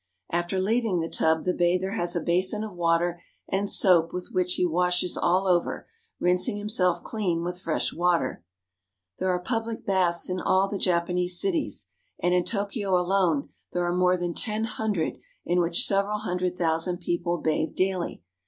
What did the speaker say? After leaving the tub, the bather has a basin of water and soap with which he washes all over, rinsing himself clean with fresh water. There are public baths in all the Japanese cities, and in Tokyo alone there are more than ten hundred in which several hundred thousand people bathe daily.